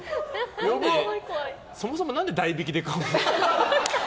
そもそも何で代引きで買うの？